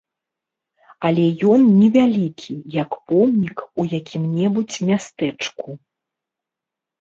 Але ён невялікі, як помнік у якім-небудзь мястэчку.